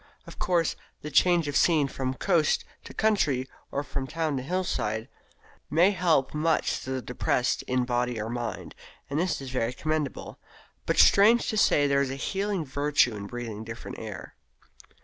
Of course, the change of scene from coast to country, or from town to hillside, may help much the depressed in body or mind; and this is very commendable. But, strange to say, there is a healing virtue in breathing different air.